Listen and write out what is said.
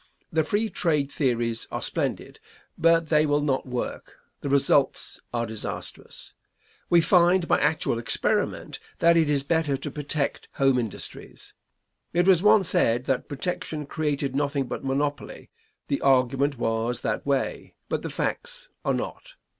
The free trade theories are splendid, but they will not work; the results are disastrous. We find by actual experiment that it is better to protect home industries. It was once said that protection created nothing but monopoly; the argument was that way, but the facts are not.